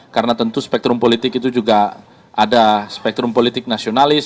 karena tentu spektrum politik itu juga ada spektrum politik nasionalis